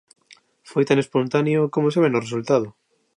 Foi tan espontáneo como se ve no resultado.